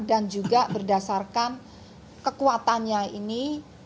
dan juga berdasarkan kekuatannya ini